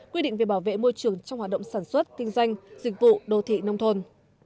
quy định về bảo vệ môi trường trong hoạt động sản xuất kinh doanh dịch vụ đô thị nông thôn